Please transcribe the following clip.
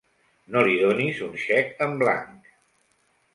No li donis un xec en blanc!